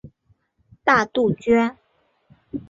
大杜鹃。